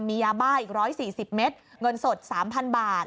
มียาบ้าอีก๑๔๐เมตรเงินสด๓๐๐๐บาท